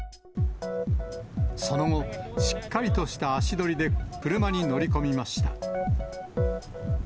その後、しっかりとした足取りで、車に乗り込みました。